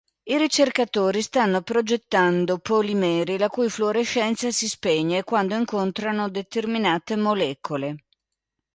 I ricercatori stanno progettando polimeri la cui fluorescenza si spegne quando incontrano determinate molecole.